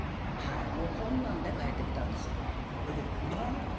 もうこんなんで帰ってきたんです。